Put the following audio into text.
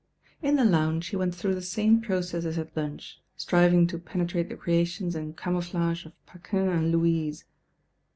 In the lounge he went through the same process as at lunch, striving to penetrate the creations and camouflages of Paquin and Louise.